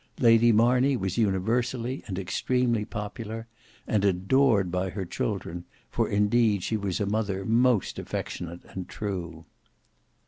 Lady Marney was universally and extremely popular; and adored by her children, for indeed she was a mother most affectionate and true.